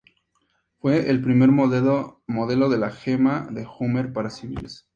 Fue el primer modelo de la gama de Hummer para civiles.